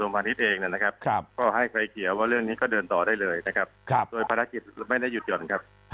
เพราะว่าเรื่องนี้ก็เดินต่อได้เลยนะครับโดยภารกิจไม่ได้หยุดหยุดครับ